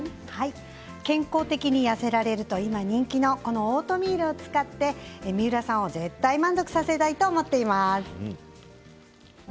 健康的に痩せられると人気のこのオートミールを使って三浦さんを絶対満足させたいと思っています。